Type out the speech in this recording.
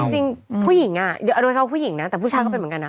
จริงผู้หญิงประชาติน้องชาติก็เป็นเหมือนกันนะ